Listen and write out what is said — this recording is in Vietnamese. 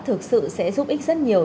thực sự sẽ giúp ích rất nhiều